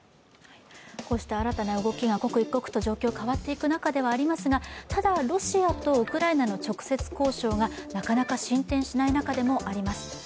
こうした新たな動きが刻一刻、変わっていく状況ではありますがただ、ロシアとウクライナの直接交渉がなかなか進展しない中でもあります。